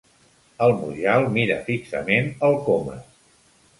El Mujal mira fixament el Comas.